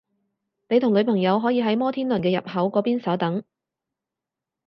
你同女朋友可以喺摩天輪嘅入口嗰邊稍等